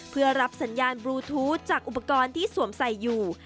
เพื่อรับสัญญาณบลูทูธจากอุปกรณ์ที่สวมใส่อยู่